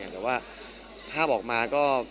แต่ว่าถ้าออกมาก็